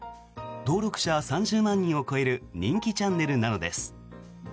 登録者３０万人を超える人気チャンネルなのです。